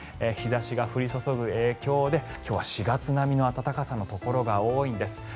日差しが降り注ぐ影響で今日は４月並みの暖かさのところが多いんです。